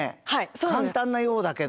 簡単なようだけど。